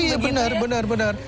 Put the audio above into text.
oh iya benar benar benar